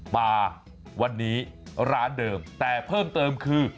มาวันนี้ร้านเดิมแต่เพิ่มเติมคือ